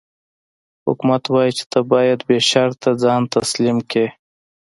حکومت وايي چې ته باید بې شرطه ځان تسلیم کړې.